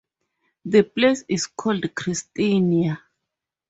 The place is called Christiania.